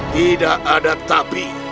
tidak ada tapi